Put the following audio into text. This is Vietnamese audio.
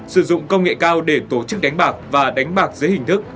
sử dụng công nghệ cao để tổ chức đánh bạc và đánh bạc dưới hình thức